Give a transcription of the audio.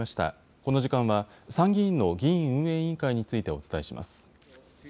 この時間は参議院の議院運営委員会について、お伝えします。